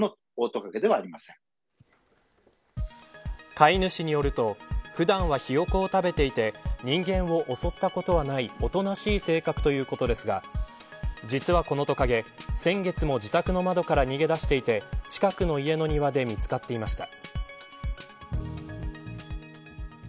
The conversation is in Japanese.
飼い主によると普段はヒヨコを食べていて人間を襲ったことはないおとなしい性格ということですが実はこのトカゲ、先月も自宅の窓から逃げ出していて近くの家の庭で見つかっていました。